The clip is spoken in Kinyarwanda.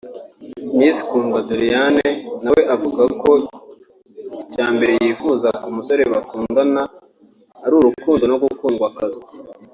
Miss Kundwa Doriane nawe avuga ko icya mbere yifuza ku musore bakundana ari urukundo no gukundwakazwa